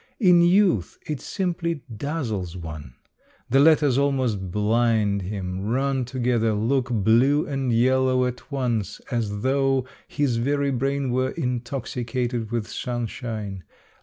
In youth, it simply dazzles one ; the letters almost blind him, run together, look blue and yellow at once, as though his very brain were intoxicated with sun shine.